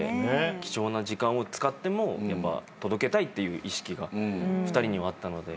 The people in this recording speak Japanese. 貴重な時間を使っても届けたいっていう意識が２人にはあったので。